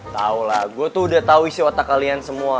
tau lah gue tuh udah tahu isi otak kalian semua